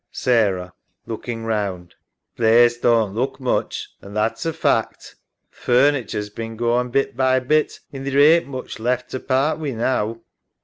SARAH {pause. Looking round). Place doan't look much, an' that's a fact. Th' furniture's bin goin' bit by bit, and theer ain't much left to part wi' now.